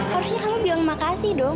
harusnya kamu bilang makasih dong